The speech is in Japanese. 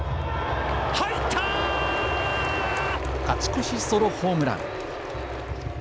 勝ち越しソロホームラン。